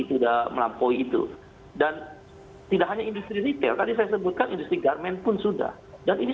sudah melampaui itu dan tidak hanya industri retail tadi saya sebutkan industri garmen pun sudah dan ini